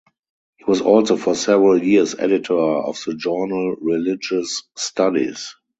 He was also for several years editor of the journal Religious Studies.